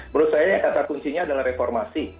menurut saya kata kuncinya adalah reformasi